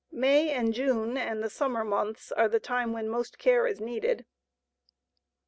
May and June and the summer months are the time when most care is needed.